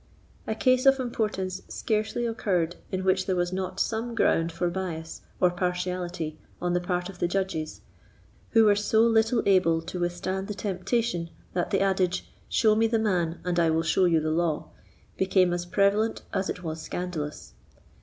A case of importance scarcely occurred in which there was not some ground for bias or partiality on the part of the judges, who were so little able to withstand the temptation that the adage, "Show me the man, and I will show you the law," became as prevalent as it was scandalous.